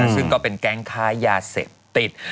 ซึ่งก็เป็นแก๊งค้ายาเสพติด